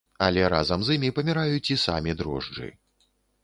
Але разам з імі паміраюць і самі дрожджы.